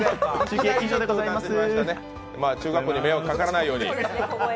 中学校に迷惑かからないように。